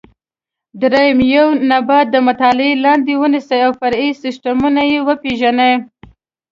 درېیم: یو نبات د مطالعې لاندې ونیسئ او فرعي سیسټمونه یې وپېژنئ.